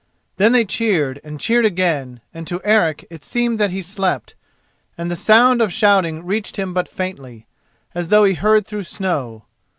Then they cheered and cheered again, and to Eric it seemed that he slept, and the sound of shouting reached him but faintly, as though he heard through snow.